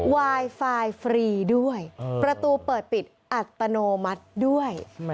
ไวไฟฟรีด้วยประตูเปิดปิดอัตโนมัติด้วย